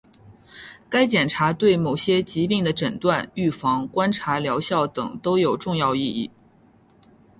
该检查对某些疾病的诊断、预防、观察疗效等都有重要意义